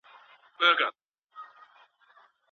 مېلمه ته شا نه اړول کېږي.